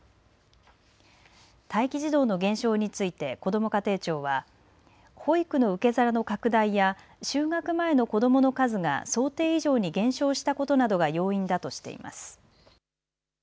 待機児童の減少についてこども家庭庁は保育の受け皿の拡大や就学前の子どもの数が想定以上に減少したことなどが要因だとしています。